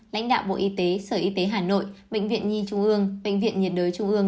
lãnh đạo bộ y tế sở y tế hà nội bệnh viện nhi trung ương bệnh viện nhiệt đới trung ương